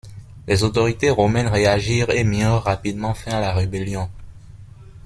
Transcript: Les autorités romaines réagirent et mirent rapidement fin à la rébellion.